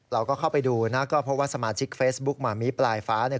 เราก็เข้าไปดูนะก็เพราะว่าสมาชิกเฟซบุ๊กหมามีปลายฟ้าเนี่ย